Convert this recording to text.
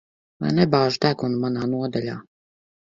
Lai nebāž degunu manā nodaļā.